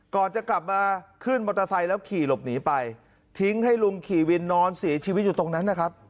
ก่อนจะกลับมาขึ้นมอเตอร์ไซค์แล้วขี่หลบหนีไปทิ้งให้ลุงขี่วินนอนเสียชีวิตอยู่ตรงนั้นนะครับ